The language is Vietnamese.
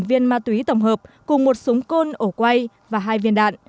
một viên ma túy tổng hợp cùng một súng côn ổ quay và hai viên đạn